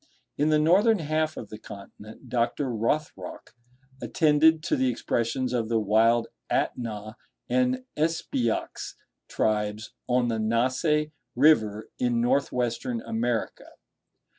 In the northern half of the continent Dr. Rothrock attended to the expressions of the wild Atnah and Espyox tribes on the Nasse River, in North Western America.